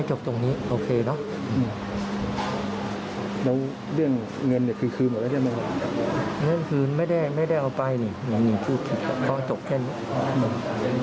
อีกครั้งเรื่องของจริง